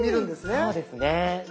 そうですね。